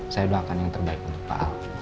saya doakan yang terbaik untuk pak ahok